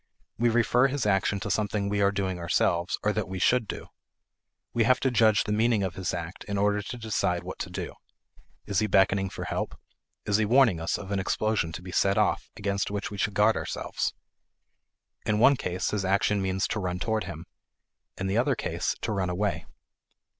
We refer his action to something we are doing ourselves or that we should do. We have to judge the meaning of his act in order to decide what to do. Is he beckoning for help? Is he warning us of an explosion to be set off, against which we should guard ourselves? In one case, his action means to run toward him; in the other case, to run away.